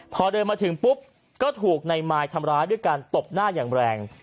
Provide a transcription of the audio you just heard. พอเดินมาถึงปุ๊บก็ถูกในมายทำร้ายด้วยการตบหน้าอย่างแรง